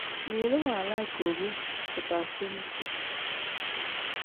Ngmiilu waala igoobu kidaaveeniti.